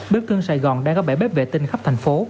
bếp thương sài gòn đang có bảy bếp vệ tinh khắp thành phố